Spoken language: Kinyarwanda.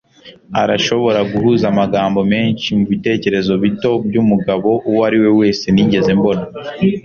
arashobora guhuza amagambo menshi mubitekerezo bito byumugabo uwo ari we wese nigeze mbona